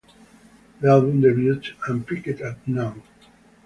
The album debuted and peaked at no.